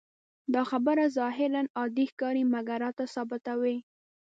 دا خبره ظاهراً عادي ښکاري، مګر راته ثابتوي.